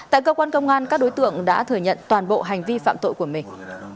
tại cơ quan công an các đối tượng đã thừa nhận toàn bộ hành vi phạm tội của mình